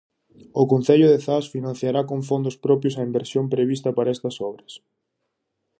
O concello de Zas financiará con fondos propios a inversión prevista para estas obras.